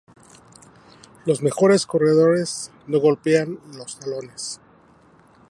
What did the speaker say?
Los mejores corredores no golpean los talones.